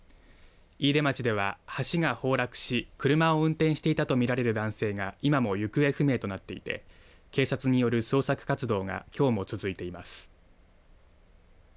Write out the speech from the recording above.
飯豊町では、橋が崩落し車を運転していたと見られる男性が今も行方不明となっていて警察による捜索活動がきょうも続いています。